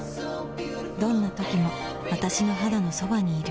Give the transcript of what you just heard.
どんな時も私の肌のそばにいる